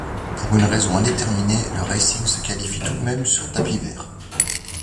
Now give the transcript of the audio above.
Pour une raison indéterminée, le Racing se qualifie tout de même sur tapis vert.